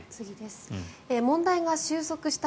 問題が終息した